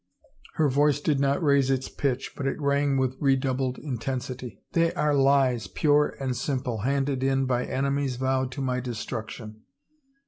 Her voice did not raise its pitch, but it rang with redoubled intensity. " They are lies, pure and sim ple, handed in by enemies vowed to my destruction.